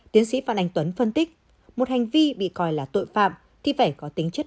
tiến sĩ phan anh tuấn phân tích một hành vi bị coi là tội phạm thì phải có tính chất